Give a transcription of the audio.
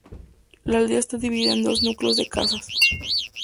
La aldea está dividida en dos núcleos de casas.